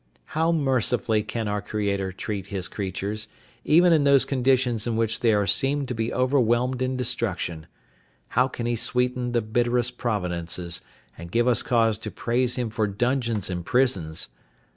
How mercifully can our Creator treat His creatures, even in those conditions in which they seemed to be overwhelmed in destruction! How can He sweeten the bitterest providences, and give us cause to praise Him for dungeons and prisons!